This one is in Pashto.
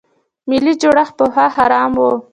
ملي جوړښت پخوا حرام و.